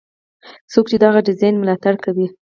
څوک چې دغه ډیزاین ملاتړ کوي.